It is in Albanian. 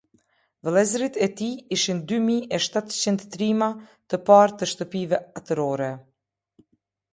Vëllezërit e tij ishin dy mijë e shtatëqind trima, të parë të shtëpive atërore.